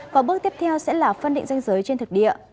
và bước tiếp theo sẽ là phân định danh giới trên thực địa